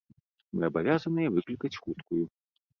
Мы абавязаныя выклікаць хуткую.